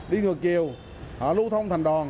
đi thừa chiều lưu thông thành đòn